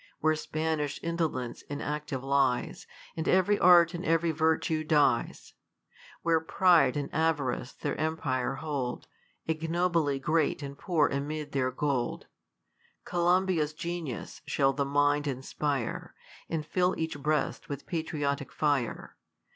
Where Spanish indolence inactive lies. And ev'ry art and ev'ry virtue dies ; Where pride and avarice their empire holdj Ignobly great, and poor amid their gold, Columbia's genius shall the mind inspire. And fill each breast with~patriotic fire.